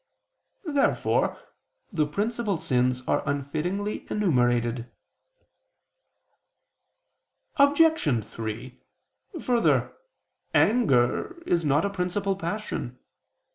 Therefore the principal sins are unfittingly enumerated. Obj. 3: Further, anger is not a principal passion.